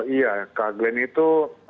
iya kak glenn itu